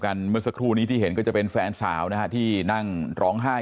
เมื่อสักครู่นี้ที่เห็นก็จะเป็นแฟนสาวนะฮะที่นั่งร้องไห้